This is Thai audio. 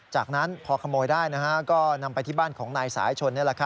จากนั้นพอขโมยได้ก็นำไปที่บ้านของนายสายชน